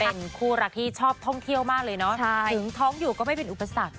เป็นคู่รักที่ชอบท่องเที่ยวมากเลยเนาะถึงท้องอยู่ก็ไม่เป็นอุปสรรค